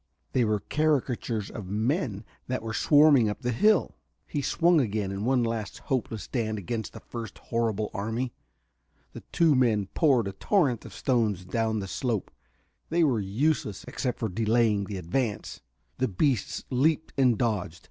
They were caricatures of men that were swarming up the hill.... He swung again in one last hopeless stand against the first horrible enemy. The two men poured a torrent of stones down the slope; they were useless, except for their delaying the advance. The beasts leaped and dodged.